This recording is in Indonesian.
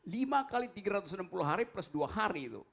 lima kali tiga ratus enam puluh hari plus dua hari itu